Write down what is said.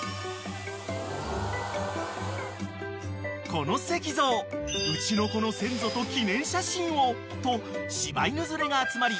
［この石像うちの子の先祖と記念写真をと柴犬連れが集まり］